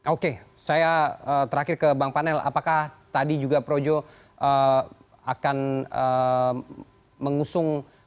oke saya terakhir ke bang panel apakah tadi juga projo akan mengusung